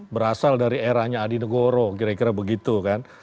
berasal dari eranya adi negoro kira kira begitu kan